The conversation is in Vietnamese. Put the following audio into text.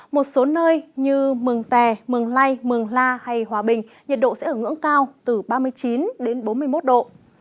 một số nơi như mường tè mường lây mường la hay hòa bình nhiệt độ sẽ ở ngưỡng cao từ ba mươi chín đến bốn mươi một độ